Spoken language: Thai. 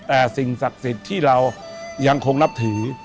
แต่สิ่งศักดิ์สิทธิ์ที่เรายังคงนับถือ